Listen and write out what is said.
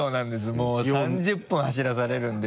「もう３０分走らされるんです」